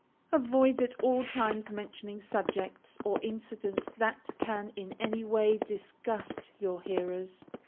Avoid, at all times, mentioning subjects or incidents that can in any way disgust your hearers.